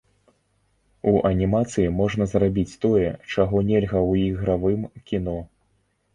У анімацыі можна зрабіць тое, чаго нельга ў ігравым кіно.